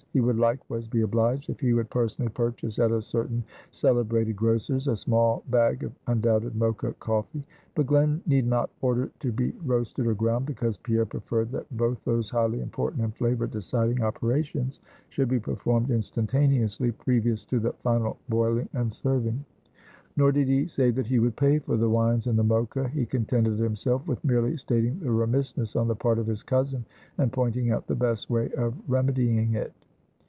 He would likewise be obliged, if he would personally purchase at a certain celebrated grocer's, a small bag of undoubted Mocha coffee; but Glen need not order it to be roasted or ground, because Pierre preferred that both those highly important and flavor deciding operations should be performed instantaneously previous to the final boiling and serving. Nor did he say that he would pay for the wines and the Mocha; he contented himself with merely stating the remissness on the part of his cousin, and pointing out the best way of remedying it.